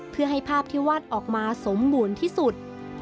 เพื่อให้ภาพที่วาดออกมาสมบูรณ์ที่สุด